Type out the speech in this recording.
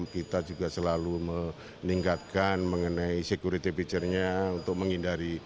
kita juga selalu meningkatkan mengenai security picture nya untuk menghindari